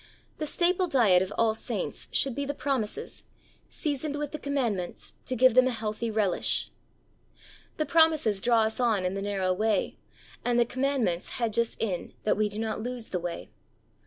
The staple diet of all saints should be the SAVING TRUTH. 115 promises, seasoned with the commandments to give them a healthy relish. The promises draw us on in the narrow way, and the commandments hedge us in that we do not lose the way.